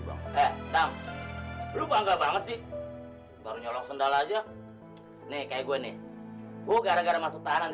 banget banget sih baru nyolong sendal aja nih kayak gue nih gua gara gara masuk tanam